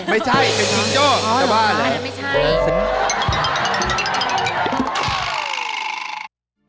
ไม่ใช่เป็นชั้นโจ้ถ้าบ้ามาฮะ